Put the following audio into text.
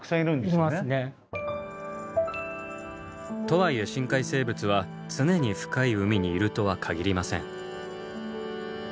とはいえ深海生物は常に深い海にいるとは限りません。